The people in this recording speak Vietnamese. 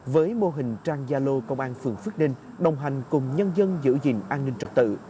với mô hình trang gia lô công an phường phước ninh đồng hành cùng nhân dân giữ gìn an ninh trật tự